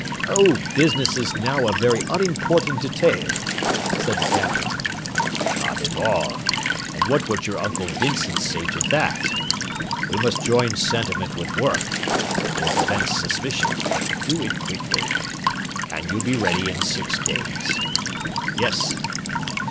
"Oh, business is now a very unimportant detail," said the Captain. "Not at all! And what would your Uncle Vincent say to that? We must join sentiment with work; it will prevent suspicion; but do it quickly. Can you be ready in six days?" "Yes."